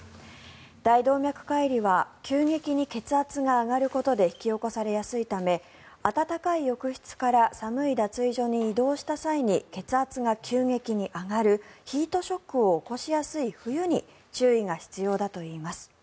大動脈解離は急激に血圧が上がることで引き起こされやすいため暖かい浴室から寒い脱衣所に移動した際に血圧が急激に上がるヒートショックを起こしやすい冬に注意が必要だといいます。